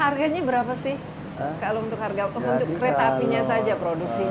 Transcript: harganya berapa sih kalau untuk kereta apinya saja produksinya